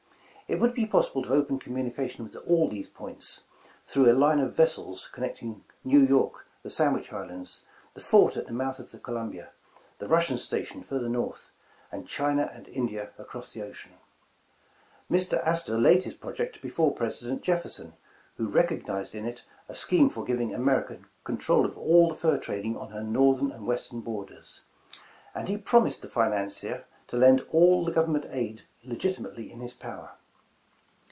It would be possible to open communication with all these points, through a line of vessels connecting New York, the Sandwich Islands, the fort at the mouth of the Colum bia, the Russian station further North, and China and India across the ocean. Mr. Astor laid his project before President Jefferson, who recognized in it a scheme for giving America con trol of all the fur trading on her Northern and Western borders, and he promised the financier to lend all the governmental aid legitimately in his power.